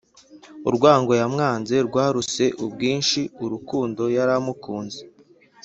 urwango yamwanze rwaruse ubwinshi urukundo yari amukunze.